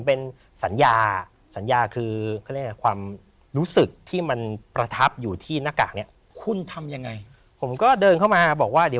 เพราะเขารู้อยู่แล้วว่าผมเป็นใคร